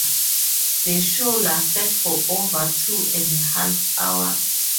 The show lasted for over two and a half hours.